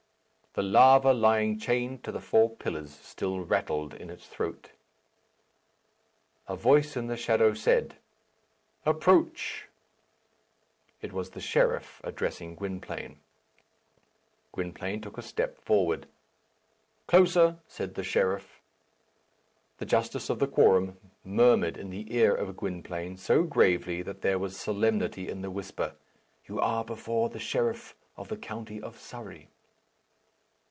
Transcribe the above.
The larva lying chained to the four pillars still rattled in its throat. A voice in the shadow said, "Approach!" It was the sheriff addressing Gwynplaine. Gwynplaine took a step forward. "Closer," said the sheriff. The justice of the quorum murmured in the ear of Gwynplaine, so gravely that there was solemnity in the whisper, "You are before the sheriff of the county of Surrey."